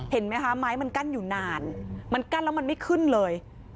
เห็นไหมคะไม้มันกั้นอยู่นานมันกั้นแล้วมันไม่ขึ้นเลย